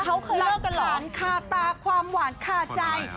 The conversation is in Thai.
เขาเคยเลือกกันหรอหลักท้านค่าตาความหวานค่าใจ